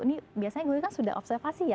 ini biasanya gurunya kan sudah observasi ya